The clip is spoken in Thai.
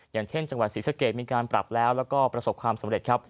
อย่างเช่นจังหวัดศรีสะเกดมีการปรับแล้วแล้วก็ประสบความสำเร็จครับ